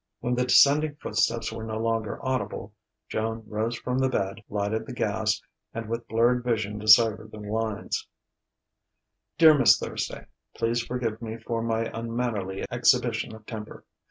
When the descending footsteps were no longer audible, Joan rose from the bed, lighted the gas, and with blurred vision deciphered the lines: "DEAR MISS THURSDAY: Please forgive me for my unmannerly exhibition of temper.